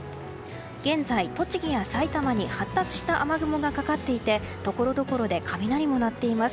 現在、栃木や埼玉に発達した雨雲がかかっていてところどころで雷も鳴っています。